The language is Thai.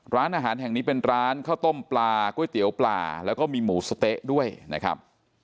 ร้านอาหารแห่งนี้เป็นร้านข้าวต้มปลาก๋วยเตี๋ยวปลาแล้วก็มีหมูสะเต๊ะด้วยนะครับ